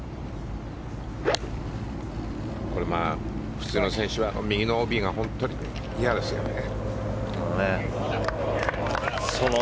普通の選手は、右のＯＢが本当に嫌ですよね。